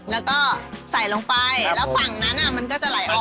แล้วก็ใส่ลงไปแล้วฝั่งนั้นมันก็จะไหลออก